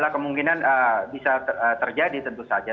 kemungkinan bisa terjadi tentu saja